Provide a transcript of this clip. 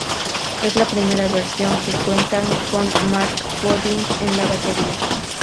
Es la primera versión que cuentan con Mark Goodwin en la batería.